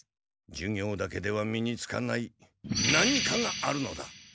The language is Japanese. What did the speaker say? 授業だけでは身につかない何かがあるのだ！